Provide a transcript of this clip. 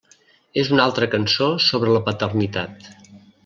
És una altra cançó sobre la paternitat.